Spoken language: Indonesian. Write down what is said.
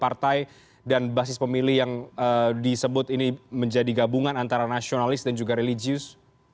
partai dan basis pemilih yang disebut ini menjadi gabungan antara nasionalis dan juga religius